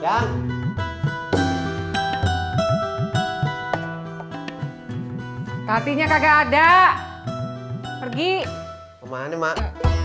hai hatinya kagak ada pergi kemana mbak